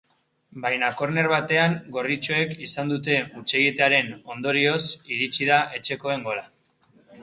Baina korner batean gorritxoek izan duten hutsegitearen ondorioz iritsi da etxekoen gola.